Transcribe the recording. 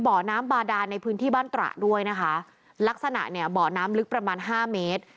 บ่อน้ำบาดานในพื้นที่บ้านตระด้วยนะคะลักษณะเนี่ยบ่อน้ำลึกประมาณห้าเมตร